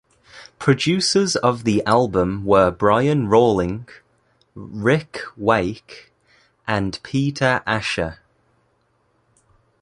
Producers of the album were Brian Rawling, Ric Wake and Peter Asher.